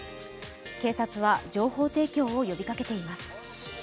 警察は情報提供を呼びかけています。